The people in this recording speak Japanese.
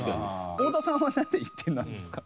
太田さんはなんで１点なんですか？